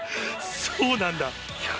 そうなんだ。